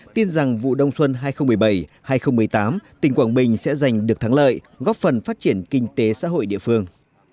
tin rằng vụ đông xuân hai nghìn một mươi bảy hai nghìn một mươi tám tỉnh quảng bình sẽ giành được thắng lợi góp phần phát triển kinh tế xã hội địa phương